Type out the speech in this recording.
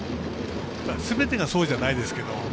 すべてがそうじゃないですけど。